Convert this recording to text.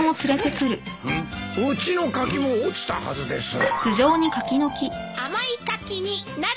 うちの柿も落ちたはずです。